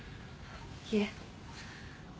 いえ。